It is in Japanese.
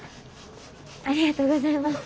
ありがとうございます。